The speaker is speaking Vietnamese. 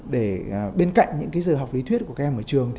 để bên cạnh những cái giờ học lý thuyết của các em ở trường